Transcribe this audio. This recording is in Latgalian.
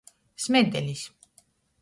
Smedelis.